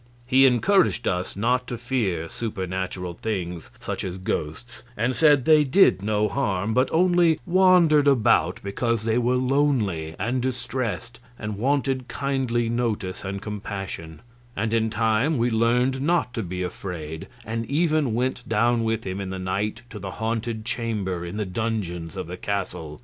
He encouraged us not to fear supernatural things, such as ghosts, and said they did no harm, but only wandered about because they were lonely and distressed and wanted kindly notice and compassion; and in time we learned not to be afraid, and even went down with him in the night to the haunted chamber in the dungeons of the castle.